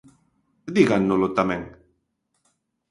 Dígannolo tamén.